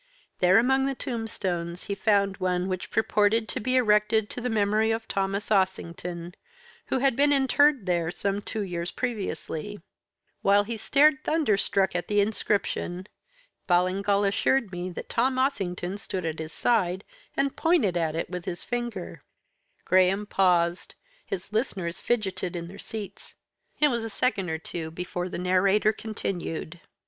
There among the tombstones he found one which purported to be erected to the memory of Thomas Ossington, who had been interred there some two years previously. While he stared, thunderstruck, at the inscription, Ballingall assured me that Tom Ossington stood at his side, and pointed at it with his finger." [Illustration: "Tom Ossington stood at his side, and pointed at it with his finger." (To face p. 116)] Graham paused. His listeners fidgeted in their seats. It was a second or two before the narrator continued.